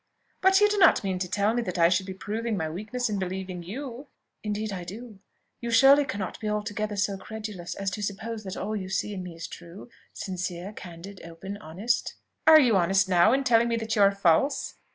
"But you do not mean to tell me that I should be proving my weakness in believing you?" "Indeed I do. You surely cannot be altogether so credulous as to suppose that all you see in me is true, sincere, candid, open, honest?" "Are you honest now in telling me that you are false?"